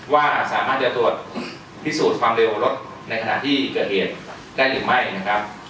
ว่าสามารถจะตรวจพิสูจน์ความเร็วรถในขณะที่เกิดเหตุได้หรือไม่นะครับ